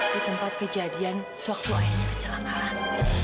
di tempat kejadian sewaktu ayahnya kecelakaan